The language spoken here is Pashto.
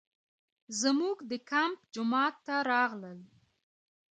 زموږ د کمپ جومات ته راغلل.